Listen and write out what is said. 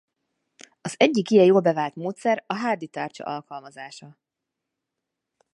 Az egyik ilyen jól bevált módszer a Hardy-tárcsa alkalmazása.